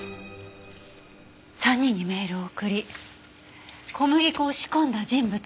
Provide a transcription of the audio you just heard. ３人にメールを送り小麦粉を仕込んだ人物。